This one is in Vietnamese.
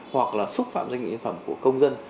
hoặc là xúc phạm doanh nghiệp nhân phẩm của công dân